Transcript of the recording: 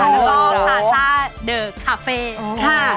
แล้วก็พาซ่าเดอร์คาเฟ่ค่ะ